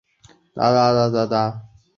莱维尼亚克。